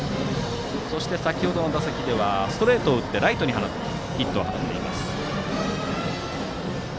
そして、先程の打席はストレートを打ってライトにヒットを放っています。